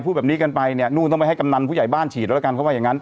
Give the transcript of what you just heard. พูดแบบนี้กันไปต้องไปให้กำนันผู้ใหญ่บ้านฉีดการไว้